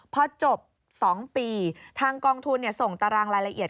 พอจบ๒ปีทางกองทุนส่งตารางรายละเอียด